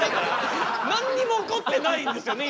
何にも起こってないんですよね